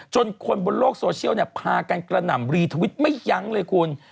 จนคนบนโลกโซเชียลพากันกระหน่ำรีทวิตไม่ยั้งเลยคุณ